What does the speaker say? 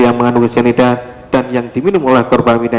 yang mengandung sianida dan yang diminum oleh korban waria misalien